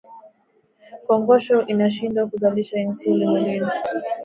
kongosho inashindwa kuzalisha insulini mwilini